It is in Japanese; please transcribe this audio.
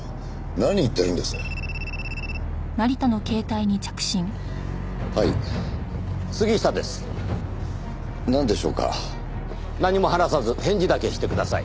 何も話さず返事だけしてください。